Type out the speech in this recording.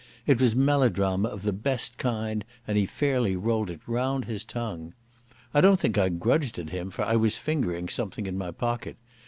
It was melodrama of the best kind and he fairly rolled it round his tongue. I don't think I grudged it him, for I was fingering something in my pocket.